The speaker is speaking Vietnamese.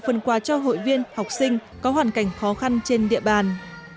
phần quà cho hội viên học sinh có hoàn cảnh khó khăn trên địa bàn